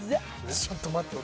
ちょっと待って。